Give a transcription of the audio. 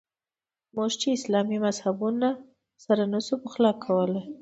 موږ چې اسلامي مذهبونه سره نه شو پخلا کولای.